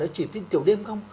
chỉ tin tiểu đêm không